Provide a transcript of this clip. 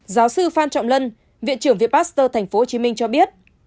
giáo sư phan trọng lân viện trưởng viện pasteur tp hcm cho biết